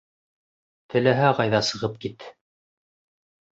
Теләһә ҡайҙа сығып кит!